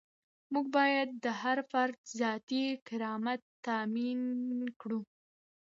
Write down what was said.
موږ باید د هر فرد ذاتي کرامت تامین کړو.